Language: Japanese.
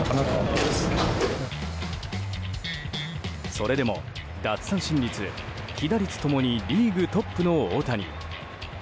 それでも奪三振率、被打率共にリーグトップの大谷。